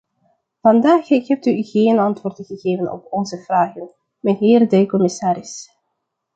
Vandaag hebt u geen antwoord gegeven op onze vragen, mijnheer de commissaris.